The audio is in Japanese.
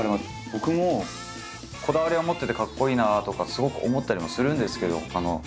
僕もこだわりは持っててかっこいいなあとかすごく思ったりもするんですけど。